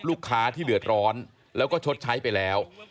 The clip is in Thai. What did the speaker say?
ลูกค้าที่เดือดร้อนแล้วก็ชดใช้ไปแล้ว